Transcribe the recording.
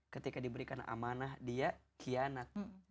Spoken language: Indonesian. ketika diberikan amanah dia kianat